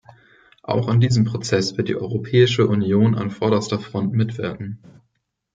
Auch an diesem Prozess wird die Europäische Union an vorderster Front mitwirken.